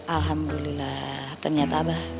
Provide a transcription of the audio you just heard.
alhamdulillah ternyata abah